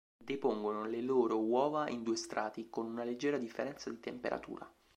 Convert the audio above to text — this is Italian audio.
Depongono le loro uova in due strati, con una leggera differenza di temperatura.